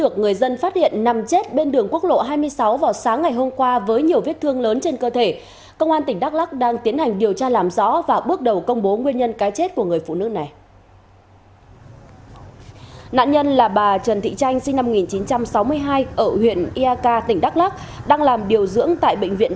các bạn hãy đăng ký kênh để ủng hộ kênh của chúng mình nhé